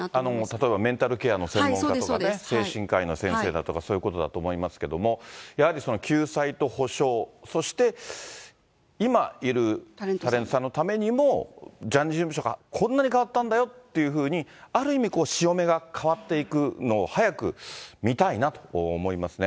例えばメンタルケアの専門家とかね、精神科医の先生だとか、そういうことだと思いますけども、やはりその救済と補償、そして今いるタレントさんのためにも、ジャニーズ事務所がこんなに変わったんだよっていうふうに、ある意味潮目が変わっていくのを早く見たいなと思いますね。